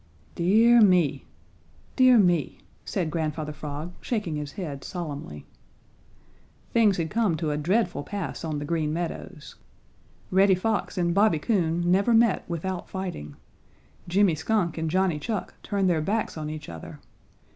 "Dear me! dear me!" said Grandfather Frog, shaking his head solemnly. "Things had come to a dreadful pass on the Green Meadows. Reddy Fox and Bobby Coon never met without fighting. Jimmy Skunk and Johnny Chuck turned their backs on each other.